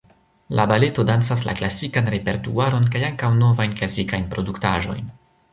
La baleto dancas la klasikan repertuaron kaj ankaŭ novajn klasikajn produktaĵojn.